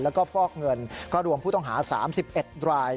แล้วก็ฟอกเงินก็รวมผู้ต้องหา๓๑ราย